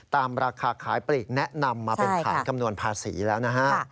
ราคาขายปลีกแนะนำมาเป็นฐานคำนวณภาษีแล้วนะฮะ